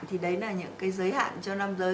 thì đấy là những cái giới hạn cho nam giới